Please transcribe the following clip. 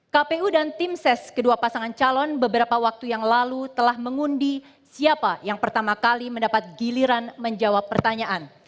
kpu dan tim ses kedua pasangan calon beberapa waktu yang lalu telah mengundi siapa yang pertama kali mendapat giliran menjawab pertanyaan